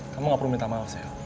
kamu gak perlu minta maaf saya